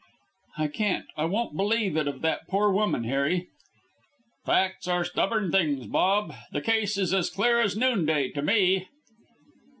"I can't I won't believe it of that poor woman, Harry." "Facts are stubborn things, Bob. The case is as clear as noonday to me."